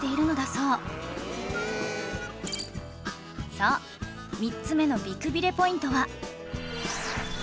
そう３つ目の美くびれポイントは